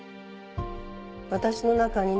「私の中に」